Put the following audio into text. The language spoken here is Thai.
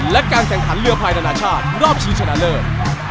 และการแข่งขันเรือภายนานาชาติรอบชิงชนะเลิศ